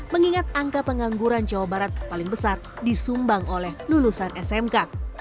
mengingat angka pengangguran jawa barat paling besar disumbang oleh lulusan smk